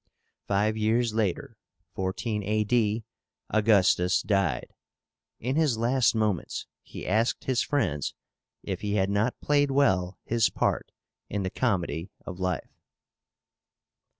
Five years later (14 A.D.) Augustus died. In his last moments he asked his friends if he had not played well his part in the comedy of life.